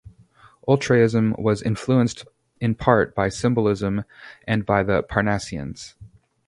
Ultraism was influenced in part by Symbolism and by the Parnassians.